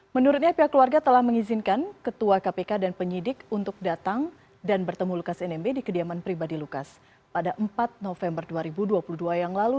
menurutnya pihak keluarga telah mengizinkan ketua kpk dan penyidik untuk datang dan bertemu lukas nmb di kediaman pribadi lukas pada empat november dua ribu dua puluh dua yang lalu